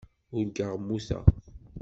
Urgaɣ mmuteɣ.